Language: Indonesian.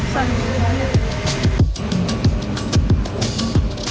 lalu aku mau beli